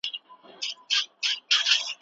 هغه سړی چې راغلی و، مسافر و.